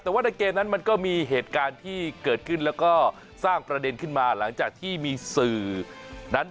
แต่ว่าในเกมนั้นมันก็มีเหตุการณ์ที่เกิดขึ้นแล้วก็สร้างประเด็นขึ้นมาหลังจากที่มีสื่อนั้น